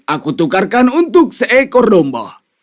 aku tukarkan untuk seekor domba